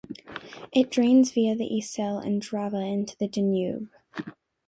It drains via the Isel and Drava into the Danube.